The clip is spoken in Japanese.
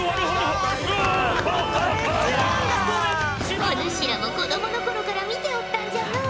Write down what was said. お主らも子供の頃から見ておったんじゃのう。